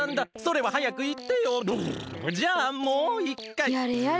じゃあもういっかい。